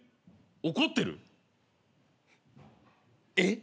怒ってる？えっ？